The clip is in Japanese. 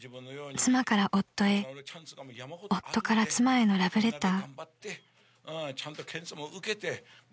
［妻から夫へ夫から妻へのラブレター］